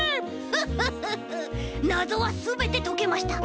フッフッフッフなぞはすべてとけました！